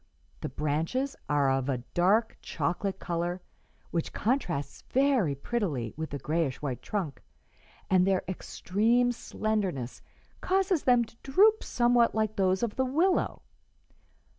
The branches are of a dark chocolate color which contrasts very prettily with the grayish white trunk, and their extreme slenderness causes them to droop somewhat like those of the willow.